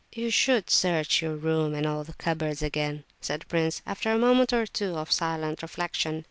"You should search your room and all the cupboards again," said the prince, after a moment or two of silent reflection.